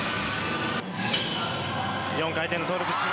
４回転トウループ。